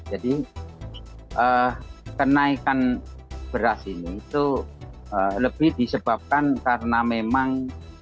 jadi kenaikan beras ini itu lebih disebabkan karena memang